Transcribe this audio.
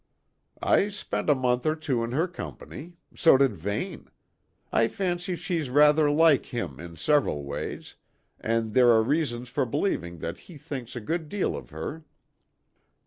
"I spent a month or two in her company; so did Vane. I fancy she's rather like him in several ways; and there are reasons for believing that he thinks a good deal of her."